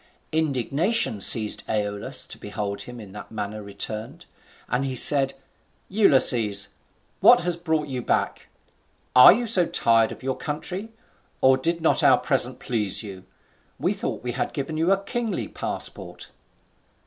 Indignation seized Aeolus to behold him in that manner returned; and he said, "Ulysses, what has brought you back? Are you so soon tired of your country; or did not our present please you? We thought we had given you a kingly passport."